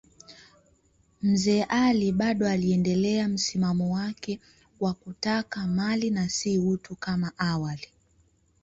Mzee Ali bado aliendelea msimamo wake wa kutaka mali na si utu kama awali.